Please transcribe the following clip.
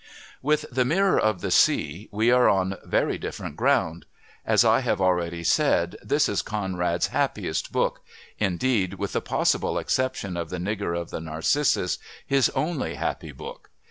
With The Mirror of the Sea we are on very different ground. As I have already said, this is Conrad's happiest book indeed, with the possible exception of The Nigger of the Narcissus, his only happy book.